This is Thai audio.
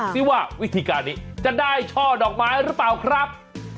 ซิว่าวิธีการนี้จะได้ช่อดอกไม้หรือเปล่าครับ